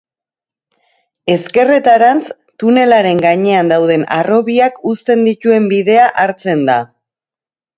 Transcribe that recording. Ezkerretarantz tunelaren gainean dauden harrobiak uzten dituen bidea hartzen da.